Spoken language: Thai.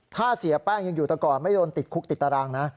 ถ้าเสียแป้งยังอยู่แต่ก่อนไม่โดนติดคุกติดตารางนะ